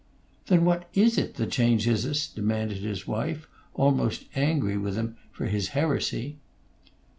"Then what is it that changes us?" demanded his wife, almost angry with him for his heresy.